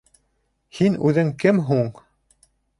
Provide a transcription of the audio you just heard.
— Һин үҙең кем һуң?